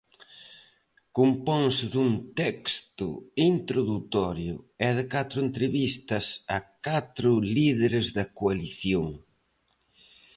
Componse dun texto introdutorio e de catro entrevistas a catro líderes da coalición.